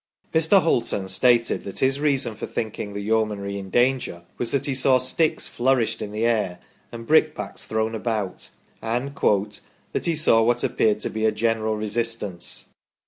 Mr. Hulton stated that his reason for think ing the Yeomanry in danger was that he saw sticks flourished in the air and brickbats thrown about, and " that he saw what appeared to be a general resistance